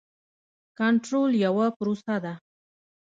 کنټرول یوه پروسه ده.